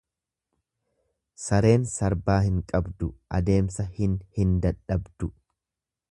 Sareen sarbaa hin qabdu, adeemsa hin hin dadhabdu.